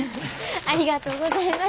ありがとうございます！